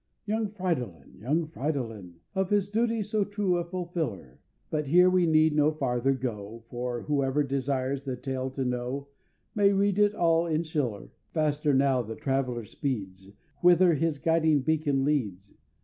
Young Fridolin! young Fridolin! Of his duty so true a fulfiller But here we need no farther go For whoever desires the Tale to know, May read it all in Schiller. Faster now the Traveller speeds, Whither his guiding beacon leads.